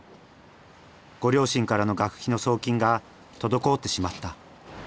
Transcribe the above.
ご両親からの学費の送金が滞ってしまった。